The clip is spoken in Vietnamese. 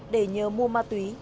để nhớ mua ma túy